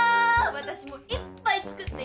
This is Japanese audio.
私もいっぱい作ったよ！